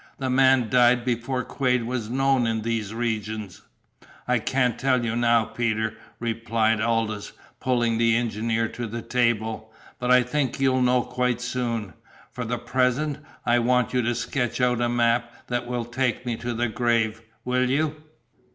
"The man died before Quade was known in these regions." "I can't tell you now, Peter," replied Aldous, pulling the engineer to the table. "But I think you'll know quite soon. For the present, I want you to sketch out a map that will take me to the grave. Will you?"